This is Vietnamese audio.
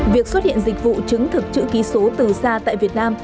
việc xuất hiện dịch vụ chứng thực chữ ký số từ xa tại việt nam